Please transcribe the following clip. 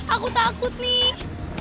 aku takut nih